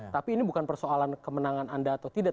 tapi ini bukan persoalan kemenangan anda atau tidak